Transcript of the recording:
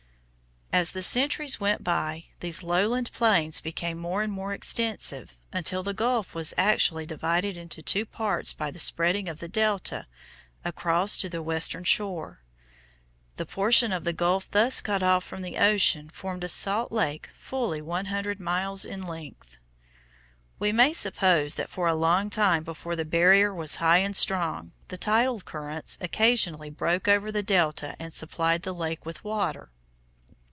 As the centuries went by, these lowland plains became more and more extensive, until the gulf was actually divided into two parts by the spreading of the delta across to the western shore. The portion of the gulf thus cut off from the ocean formed a salt lake fully one hundred miles in length. We may suppose that for a long time before the barrier was high and strong, the tidal currents occasionally broke over the delta and supplied the lake with water.